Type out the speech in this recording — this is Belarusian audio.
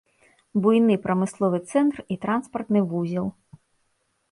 Буйны прамысловы цэнтр і транспартны вузел.